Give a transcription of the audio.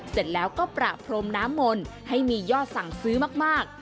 เสร็จแล้วก็ประพรมน้ำมนต์ให้มียอดสั่งซื้อมาก